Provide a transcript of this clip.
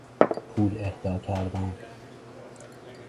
پول اهدا کردن